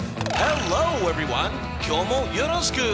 今日もよろしく。